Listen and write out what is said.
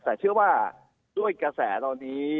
แต่เชื่อว่าด้วยกระแสเหล่านี้